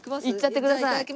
いっちゃってください。